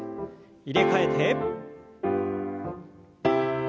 入れ替えて。